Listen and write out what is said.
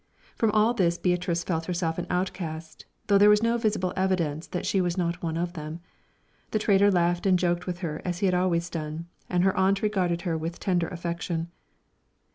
From all this Beatrice felt herself an outcast, though there was no visible evidence that she was not one of them. The trader laughed and joked with her as he always had done, and her aunt regarded her with tender affection.